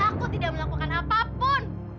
aku tidak melakukan apapun